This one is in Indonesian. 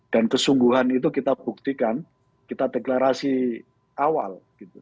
dan kesungguhan itu kita buktikan kita deklarasi awal